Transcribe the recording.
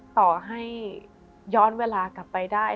ต่อให้ย้อนเวลากลับไปได้